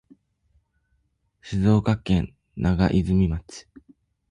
静岡県長泉町